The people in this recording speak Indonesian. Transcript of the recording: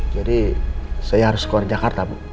jadi saya harus keluar jakarta bu